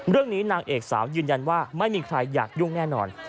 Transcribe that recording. นางเอกสาวยืนยันว่าไม่มีใครอยากยุ่งแน่นอน